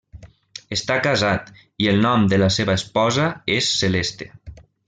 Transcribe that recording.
Està casat, i el nom de la seva esposa és Celeste.